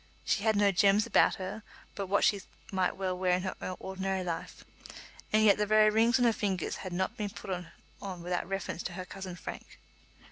She had no gems about her but what she might well wear in her ordinary life, and yet the very rings on her fingers had not been put on without reference to her cousin Frank.